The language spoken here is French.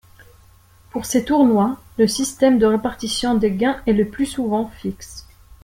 Pour ces tournois, le système de répartition des gains est le plus souvent fixe.